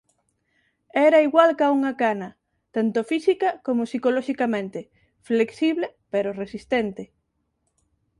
Era igual ca unha cana, tanto física coma psicoloxicamente: flexible pero resistente.